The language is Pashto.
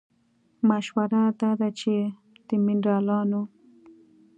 مشوره دا ده چې د مېنرالونو